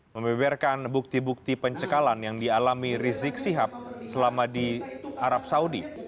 membeberkan bukti bukti pencekalan yang dialami rizik sihab selama di arab saudi